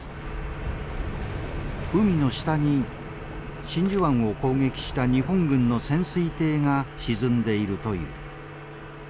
海の下に真珠湾を攻撃した日本軍の潜水艇が沈んでいるという。